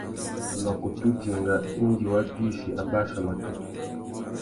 A mà kutu dinga indi wa dïchî abachia matê.